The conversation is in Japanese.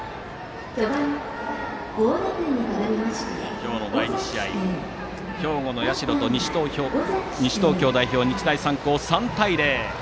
今日の第２試合兵庫・社と西東京・日大三高は３対０。